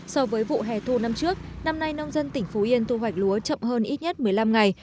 so với vụ hè thu năm trước năm nay nông dân tỉnh phú yên thu hoạch lúa chậm hơn ít nhất một mươi năm ngày